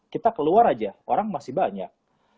kita keluar aja orang masih banyak